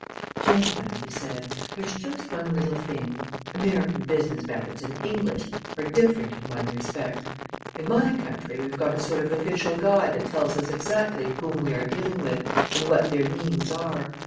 "Gentlemen," he said, "there's just one little thing: American business methods and English are different in one respect. In my country we've got a sort of official guide that tells us exactly whom we are dealing with and what their means are.